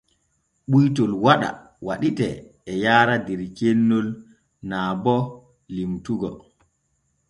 Ɓuytol waɗa waɗitee e yaara der cennol naa bo limtugo.